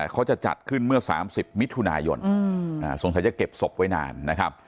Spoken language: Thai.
เขาจะจัดขึ้นเมื่อ๓๐มิถุนายนสงสัยจะเก็บศพไว้นานนะครับ